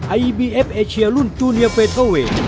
ไอบีเอฟเอเชียรุ่นจูเนียเฟอร์เวท